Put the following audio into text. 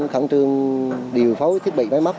khẳng trương điều phối thiết bị máy mắp